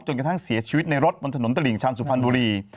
กระทั่งเสียชีวิตในรถบนถนนตลิ่งชันสุพรรณบุรี